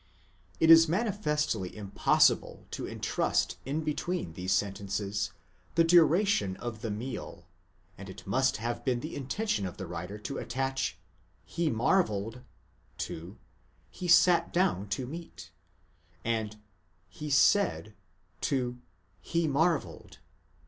It is manifestly im possible to thrust in between these sentences the duration of the meal, and it must have been the intention of the writer to attach he marvelled ἐθαύμασεν to he sat down to meat ἀνέπεσεν, and he said εἶπεν to he marvelled ἐθαύμασεν.